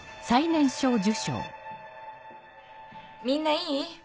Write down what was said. みんないい？